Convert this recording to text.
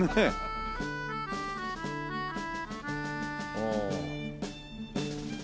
ああ。